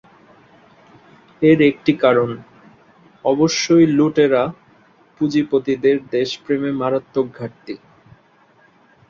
এর একটি কারণ, অবশ্যই লুটেরা পুঁজিপতিদের দেশপ্রেমে মারাত্মক ঘাটতি।